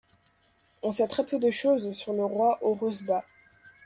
On sait très peu de choses sur le roi Horus Ba.